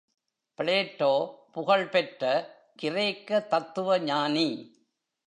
Plato புகழ் பெற்ற கிரேக்க தத்துவ ஞானி.